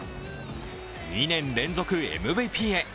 ２年連続ＭＶＰへ。